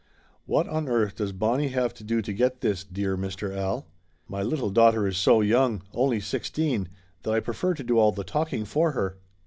"What on earth does Bonnie have to do to get this, dear Mr. Al ? My little daughter is so young only sixteen that I prefer to do all the talking for her!"